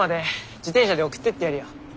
自転車で送ってってやるよ。